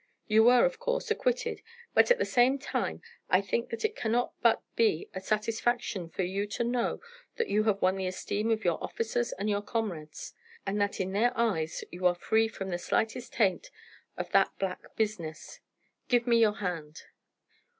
You were, of course, acquitted, but at the same time I think that it cannot but be a satisfaction for you to know that you have won the esteem of your officers and your comrades, and that in their eyes you are free from the slightest taint of that black business. Give me your hand."